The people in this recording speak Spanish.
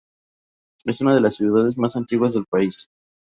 Es una de las ciudades más antiguas del país.